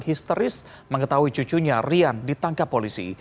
histeris mengetahui cucunya rian ditangkap polisi